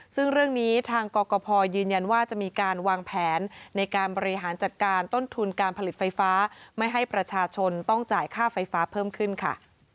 ซึ่งเรื่องนี้ทางกรกภยืนยันว่าจะมีการวางแผนในการบริหารจัดการต้นทุนการผลิตไฟฟ้าไม่ให้ประชาชนต้องจ่ายค่าไฟฟ้าเพิ่มขึ้นค่ะ